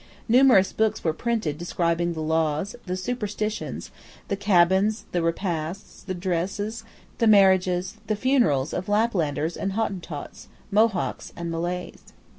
Numerous books were printed describing the laws, the superstitions, the cabins, the repasts, the dresses, the marriages, the funerals of Laplanders and Hottentots, Mohawks and Malays.